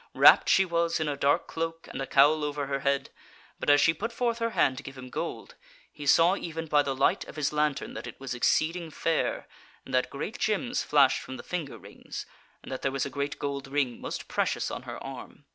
Wrapped she was in a dark cloak and a cowl over her head, but as she put forth her hand to give him gold, he saw even by the light of his lantern that it was exceeding fair, and that great gems flashed from the finger rings, and that there was a great gold ring most precious on her arm.